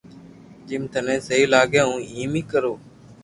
جيم ٿني سھي لاگي ھون ايم اي ڪرو